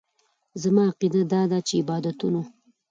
زما عقیده داده چې د عبادتونو.